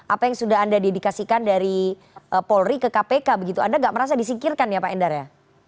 apa yang sudah anda dedikasikan dari polri ke kpk begitu anda nggak merasa disingkirkan ya pak endar ya